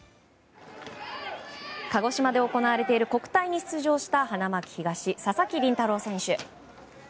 鹿児島県で行われている国体に出場した花巻東、佐々木麟太郎選手。